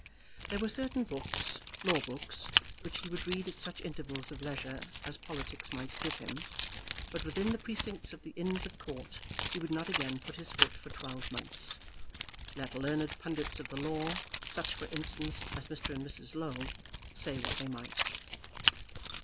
There were certain books, law books, which he would read at such intervals of leisure as politics might give him; but within the precincts of the Inns of Court he would not again put his foot for twelve months, let learned pundits of the law, such for instance as Mr. and Mrs. Low, say what they might.